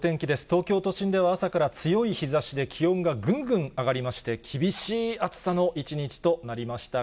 東京都心では朝から強い日ざしで気温がぐんぐん上がりまして、厳しい暑さの一日となりました。